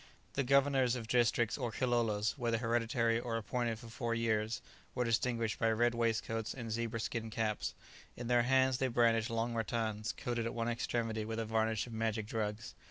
The governors of districts, or kilolos, whether hereditary or appointed for four years, were distinguished by red waistcoats and zebra skin caps; in their hands they brandished long rattans, coated at one extremity with a varnish of magic drugs.